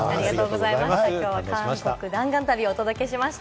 今日は韓国弾丸旅をお届けしました。